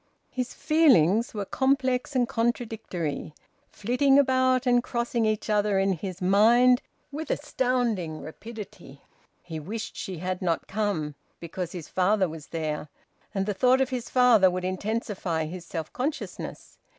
His feelings were complex and contradictory, flitting about and crossing each other in his mind with astounding rapidity. He wished she had not come, because his father was there, and the thought of his father would intensify his self consciousness.